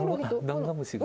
ダンゴムシが。